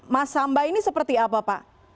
mas hamba ini seperti apa pak